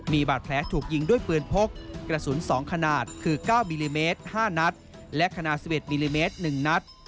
มีบาดแผลถูกยิงด้วยปืนพกกระสุน๒ขนาดคือ๙มิลลิเมตร๕นัดและขนาด๑๑มิลลิเมตร๑นัด